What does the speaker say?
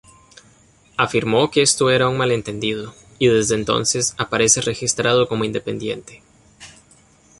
Afirmó que esto era un malentendido y desde entonces aparece registrado como independiente.